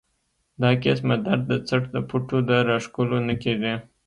دا قسمه درد د څټ د پټو د راښکلو نه کيږي